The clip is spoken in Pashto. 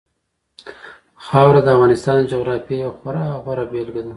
خاوره د افغانستان د جغرافیې یوه خورا غوره بېلګه ده.